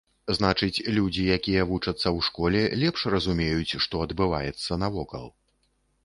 Значыць, людзі, якія вучацца ў школе, лепш разумеюць, што адбываецца навокал.